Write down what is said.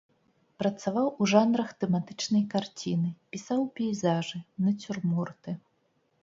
Працаваў у жанрах тэматычнай карціны, пісаў пейзажы, нацюрморты.